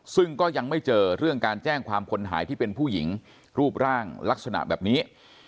ซึ่งก็ยังไม่เจอเรื่องการแจ้งความคนหายที่เป็นผู้หญิงรูปร่างลักษณะแบบนี้